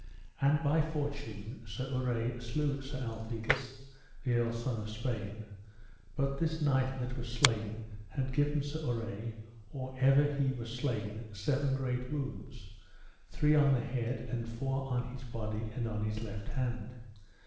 And by fortune Sir Urre slew Sir Alphegus, the earl's son of Spain, but this knight that was slain had given Sir Urre, or ever he was slain, seven great wounds, three on the head, and four on his body and upon his left hand.